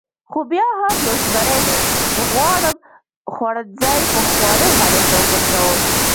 خو بیا هم یو زمري دی، زه غواړم خوړنځای پخواني حالت ته وګرځوم.